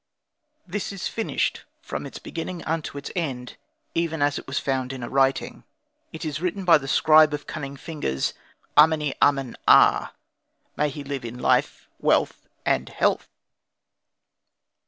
This is finished from its beginning unto its end, even as it was found in a writing. It is written by the scribe of cunning fingers Ameni amen aa; may he live in life, wealth, and health!